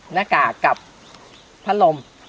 หน้ากากกับพัดลม